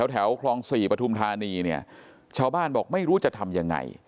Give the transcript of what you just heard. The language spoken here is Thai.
แถวคลอง๔ปฐุมธานีเนี่ยชาวบ้านบอกไม่รู้จะทำยังไง